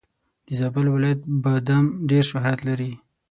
د زابل ولایت بادم ډېر شهرت لري.